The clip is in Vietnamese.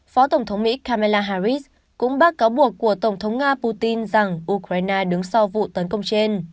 phó tổng thống mỹ kamala harris cũng bác cáo buộc của tổng thống nga putin rằng ukraine đứng sau vụ tấn công trên